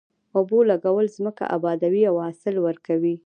اوبو لګول ځمکه ابادوي او حاصل ورکوي.